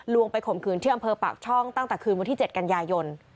ไปข่มขืนที่อำเภอปากช่องตั้งแต่คืนวันที่๗กันยายน